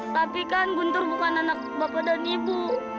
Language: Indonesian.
tapi kan guntur bukan anak bapak dan ibu